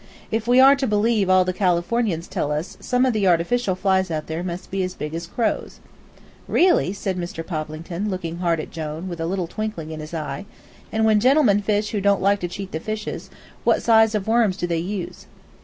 If we are to believe all the Californians tell us some of the artificial flies out there must be as big as crows." "Really?" said Mr. Poplington, looking hard at Jone, with a little twinkling in his eyes. "And when gentlemen fish who don't like to cheat the fishes, what size of worms do they use?"